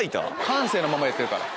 感性のままやってるから。